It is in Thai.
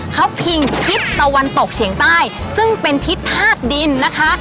เขาพิงทิศตะวันตกเฉียงใต้ซึ่งเป็นทิศธาตุดินนะคะ